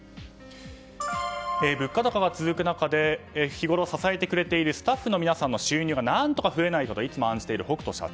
物価高は続く中で日ごろ、支えてくれているスタッフの皆さんの収入が何とか増えないかといつも案じている北斗社長。